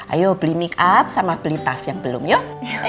ayo beli make up sama beli tas yang belum yuk